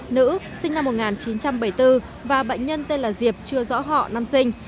nữ sinh năm một nghìn chín trăm bảy mươi bốn và bệnh nhân tên là diệp chưa rõ họ năm sinh